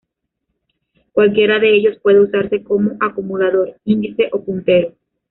Cualquiera de ellos puede usarse como acumulador, índice o puntero.